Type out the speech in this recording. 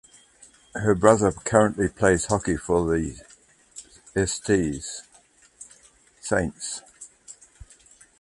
Her brother currently plays hockey for the St.